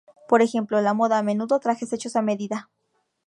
Por ejemplo, la moda, a menudo trajes hechos a medida.